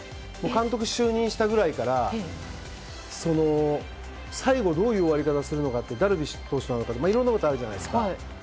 監督就任した前から最後どういう終わり方をするのかダルビッシュ投手なのかとかいろんなことがあるじゃないですか。